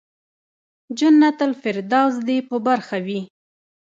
جنت الفردوس دې په برخه وي.